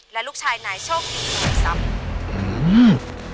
และลูกชายนายโชคดีมีทรัพย์